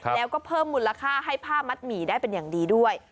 แล้วก็เพิ่มมูลค่าให้ผ้ามัดหมี่ได้เป็นอย่างดีด้วย